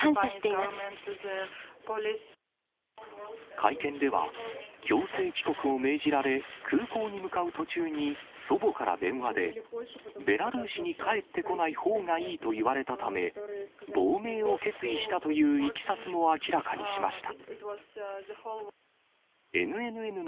会見では、強制帰国を命じられ、空港に向かう途中に祖母から電話で、ベラルーシに帰ってこないほうがいいと言われたため、亡命を決意したといういきさつも明らかにしました。